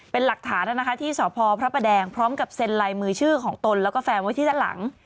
เป็นหลักฐานที่สพพระประแดงพร้อมกับเซ็นลายมือชื่อของตนแล้วก็แฟนไว้ที่ด้านหลัง